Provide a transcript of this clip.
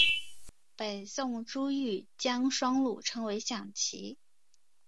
北宋朱彧将双陆称为象棋。